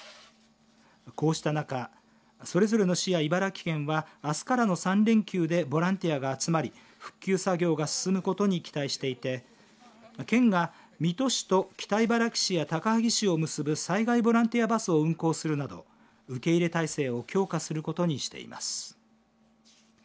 こうした中それぞれの市や茨城県はあすからの３連休でボランティアが集まり復旧作業が進むことに期待していて県が水戸市と北茨城市や高萩市を結ぶ災害ボランティアバスを運行するなど受け入れ体制を強化することにしています。